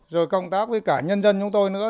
rồi công tác với cả nhân dân chúng tôi nữa